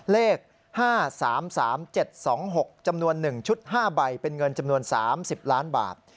เลข๕๓๓๗๒๖จำนวน๑ชุด๕ใบเป็นเงินจำนวน๓๐ล้านบาท